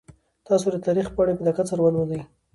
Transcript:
تاسو د تاریخ پاڼې په دقت سره ولولئ.